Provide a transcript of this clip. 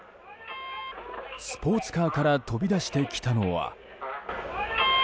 スポーツカーから飛び出してきたのは。